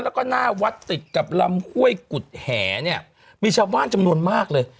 แล้วก็หน้าวัดติดกับลำห้วยกุฎแหเนี่ยมีชาวบ้านจำนวนมากเลย